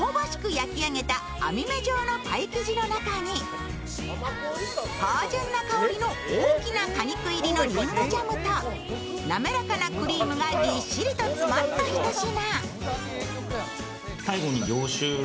焼き上げた編目状のパイ生地の中に芳じゅんな香りの大きな果肉入りのりんごジャムとなめらかなクリームがぎっしりと詰まったひと品。